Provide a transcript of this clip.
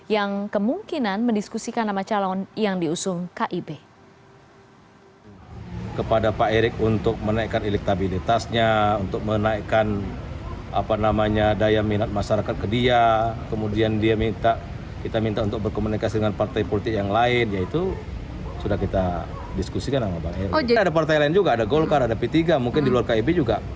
yang kemungkinan mendiskusikan nama calon yang diusung kib